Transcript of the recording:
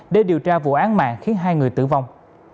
để điều tra vụ án mạng khiến hai người tử vong